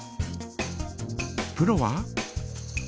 プロは？